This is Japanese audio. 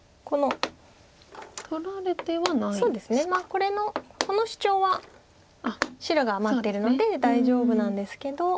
これのこのシチョウは白が待ってるので大丈夫なんですけど。